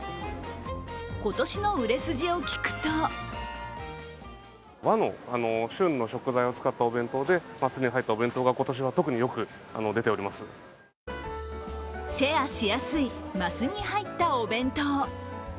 今年の売れ筋を聞くとシェアしやすい、マスに入ったお弁当。